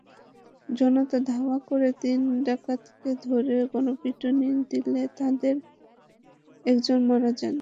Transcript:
জনতা ধাওয়া করে তিন ডাকাতকে ধরে গণপিটুনি দিলে তাঁদের একজন মারা যান।